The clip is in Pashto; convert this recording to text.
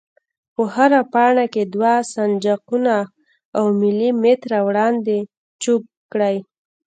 په هره پاڼه کې دوه سنجاقونه او ملي متره وړاندې چوګ کړئ.